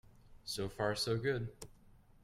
So far so good.